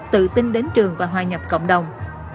tự tin đến trường và hoài nhập cộng đồng